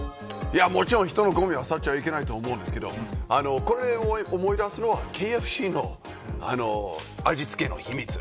もちろん、人のごみをあさっちゃいけないと思いますがこれで思い出すのはＫＦＣの味付けの秘密。